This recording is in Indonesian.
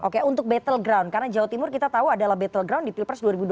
oke untuk battle ground karena jawa timur kita tahu adalah battleground di pilpres dua ribu dua puluh